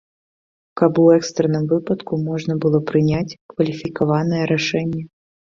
Каб у экстранным выпадку можна было прыняць кваліфікаванае рашэнне.